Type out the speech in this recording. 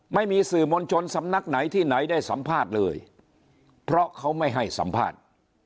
ไม่มีสื่อมวลชนสำนักไหนที่ไหนได้สัมภาษณ์เลยเพราะเขาไม่ให้สัมภาษณ์